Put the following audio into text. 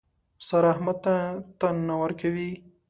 سارا احمد ته تن نه ورکوي.